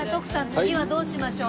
次はどうしましょう？